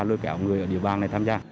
lưu kẹo người ở địa bàn này tham gia